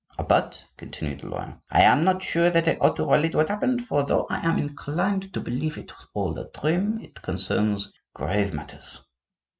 "But," continued the lawyer, "I am not sure that I ought to relate what happened, for though I am inclined to believe it was all a dream, it concerns grave matters.